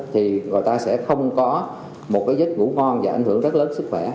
thì người ta sẽ không có một dịch ngủ ngon và ảnh hưởng rất lớn sức khỏe